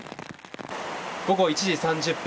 午後１時３０分